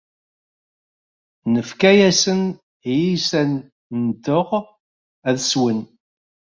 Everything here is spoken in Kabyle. Nefka-asen i yiysan-nteɣ ad swen.